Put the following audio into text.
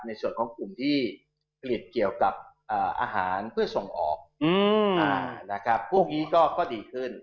ในส่วนของกลุ่มที่ผลิตเกี่ยวกับอาหารเพื่อส่งออกนะครับพวกนี้ก็ดีขึ้น